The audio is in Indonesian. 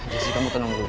jessi kamu tenang dulu